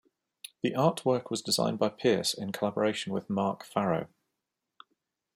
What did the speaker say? The artwork was designed by Pierce in collaboration with Mark Farrow.